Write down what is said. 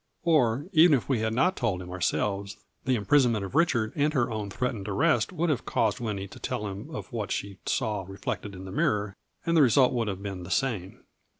Or, even if we had not told him ourselves, the im prisonment of Richard and her own threatened arrest would have caused Winnie to tell him of what she saw reflected in the mirror, and the result would have been the same."